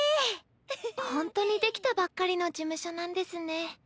ほんとに出来たばっかりの事務所なんですね。